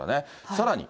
さらに。